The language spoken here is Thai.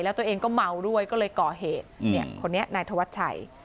แล้วตัวเองก็เมาด้วยก็เลยก่อเหตุเนี่ยคนนี้นายธวัชชัย